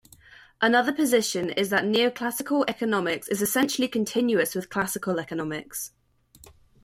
Another position is that neoclassical economics is essentially continuous with classical economics.